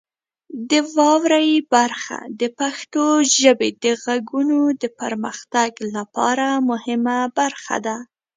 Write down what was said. د واورئ برخه د پښتو ژبې د غږونو د پرمختګ لپاره مهمه برخه ده.